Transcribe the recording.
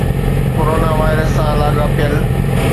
corona virus سان لاڳاپيل